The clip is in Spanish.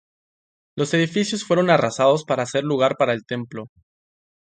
Los edificios fueron arrasados para hacer lugar para el templo.